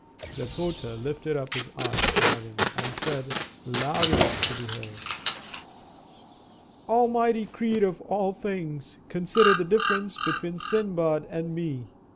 The porter lifted up his eyes to heaven, and said, loud enough to be heard, "Almighty Creator of all things, consider the difference between Sindbad and me!